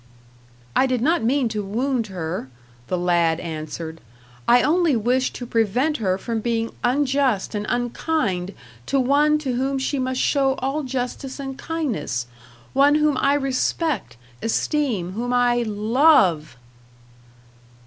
"I did not mean to wound her," the lad answered. "I only wished to prevent her from being unjust and unkind to one to whom she must show all justice and kindness. One whom I respect, esteem whom I LOVE."